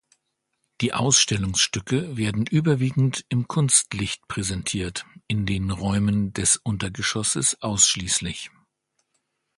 Die Ausstellungsstücke werden überwiegend im Kunstlicht präsentiert, in den Räumen des Untergeschosses ausschließlich.